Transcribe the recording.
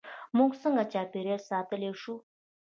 موږ څنګه چاپیریال ساتلی شو؟